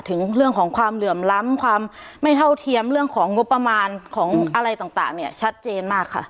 ถึงเรื่องของความเหลื่อมล้ำความไม่เท่าเทียมเรื่องของงบประมาณของอะไรต่างเนี่ยชัดเจนมากค่ะ